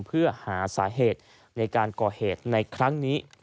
เพื่อหาสาเหตุในการก่อเหตุในครั้งนี้